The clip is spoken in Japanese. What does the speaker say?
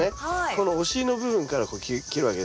このお尻の部分からこう切るわけですね。